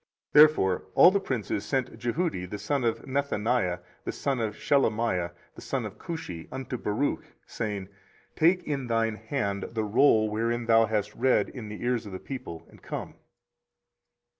24:036:014 Therefore all the princes sent Jehudi the son of Nethaniah, the son of Shelemiah, the son of Cushi, unto Baruch, saying, Take in thine hand the roll wherein thou hast read in the ears of the people, and come.